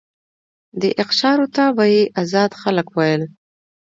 دې اقشارو ته به یې آزاد خلک ویل.